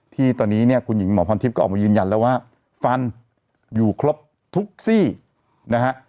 ที่ตอนนี้เนี่ยคุณหญิงหมอพรทิพย์ก็ออกมายืนยันแล้วว่าฟันอยู่ครบทุกซี่นะฮะ